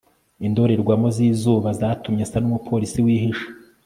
indorerwamo zizuba zatumye asa numupolisi wihishe